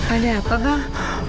ada apa bang